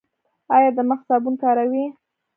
ایا د مخ صابون کاروئ؟